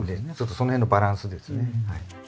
そのへんのバランスですねはい。